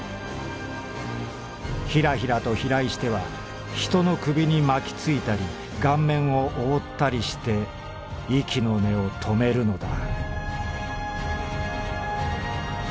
ヒラヒラと飛来しては人の首に巻き付いたり顔面を覆ったりして息の根を止めるのだ」。